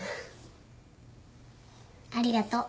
ありがとう。